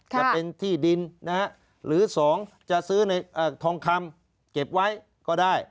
จะเป็นที่ดินหรือ๒จะซื้อในทองคำเก็บไว้ก็ได้